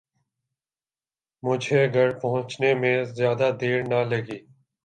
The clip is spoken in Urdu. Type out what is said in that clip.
مجھے گھر پہنچنے میں زیادہ دیر نہ لگی